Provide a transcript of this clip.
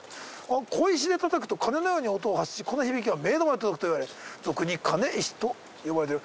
「小石でたたくと鐘のように音を発しこの響きは冥土まで届くといわれ俗に『鐘石』と呼ばれる」